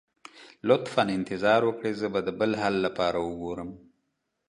لطفا انتظار وکړئ، زه به د بل حل لپاره وګورم.